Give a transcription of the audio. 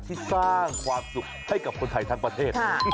ที่สร้างความสุขให้กับคนไทยทั้งประเทศ